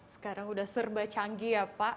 sekarang sudah serba canggih ya pak